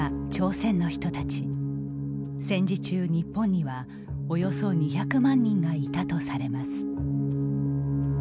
戦時中、日本にはおよそ２００万人がいたとされます。